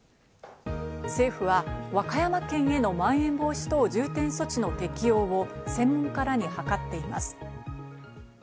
政府は和歌山県へのまん延防止等重点措置の適用を専門家らに諮っています。